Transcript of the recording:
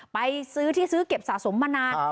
ไปซื้อที่ซื้อเก็บสะสมมานาน